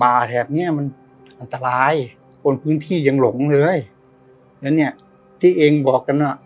แถบเนี้ยมันอันตรายคนพื้นที่ยังหลงเลยแล้วเนี้ยที่เองบอกกันว่า